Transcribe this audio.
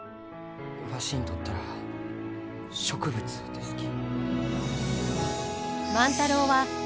わしにとったら植物ですき。